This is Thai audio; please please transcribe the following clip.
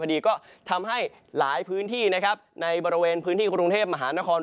ดีก็ทำให้หลายพื้นที่นะครับในบริเวณพื้นที่กรุงเทพมหานคร